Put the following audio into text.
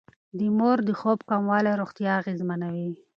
د مور د خوب کموالی روغتيا اغېزمنوي.